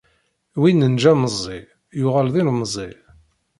Win neǧǧa meẓẓi, yuɣal d ilemẓi.